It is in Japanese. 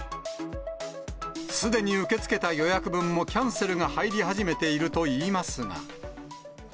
すでに受け付けた予約分もキャンセルが入り始めているといいますが。